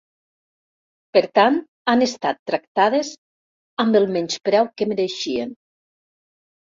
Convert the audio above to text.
Per tant, han estat tractades amb el menyspreu que mereixien.